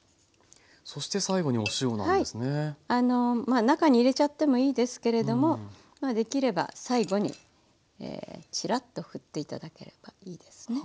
まあ中に入れちゃってもいいですけれどもできれば最後にチラッとふって頂ければいいですね。